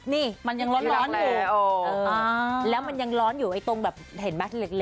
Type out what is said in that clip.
เนี้ยมันยังร้อนร้อน